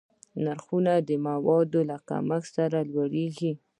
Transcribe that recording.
نرخونه د موادو له کمښت سره لوړېږي.